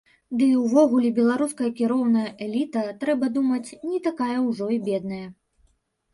Ды і ўвогуле беларуская кіроўная эліта, трэба думаць, не такая ўжо і бедная.